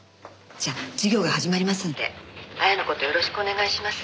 じゃあ授業が始まりますんで亜矢の事よろしくお願いします。